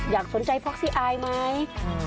อยากสนใจพ็อกซี่ไอล์ไหม